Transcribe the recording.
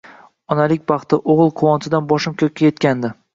Onalik baxti, o`g`il quvonchidan boshim ko`kka etgandi